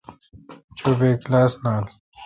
چو بے کلاس نال۔